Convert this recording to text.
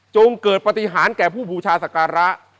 เกิดปฏิหารแก่ผู้บูชาศักระ